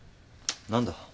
何だ？